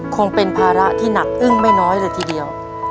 คงเป็นภาระที่หนักอึ้งไม่น้อยเลยทีเดียว